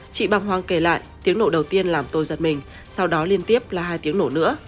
chị bàng hoàng kể lại tiếng nổ đầu tiên làm tôi giật mình sau đó liên tiếp là hai tiếng nổ nữa